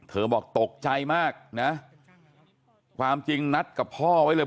บอกตกใจมากนะความจริงนัดกับพ่อไว้เลย